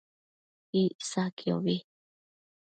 Icsaquiobi